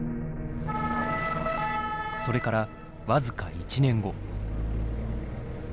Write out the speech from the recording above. それから僅か１年後。